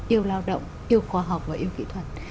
yêu lao động yêu khoa học và yêu kỹ thuật